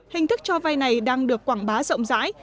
hình thức cho vay này đang được quảng bá rộng rãi